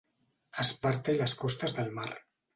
Esparta i les costes del mar.